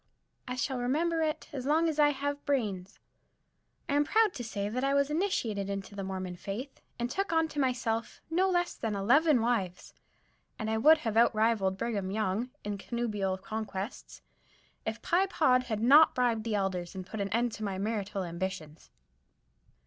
I shall remember it as long as I have bra'in's. I am proud to say that I was initiated into the Mormon faith and took unto myself no less than eleven wives; and I would have outrivaled Brigham Young in connubial conquests if Pye Pod had not bribed the Elders and put an end to my marital ambitions.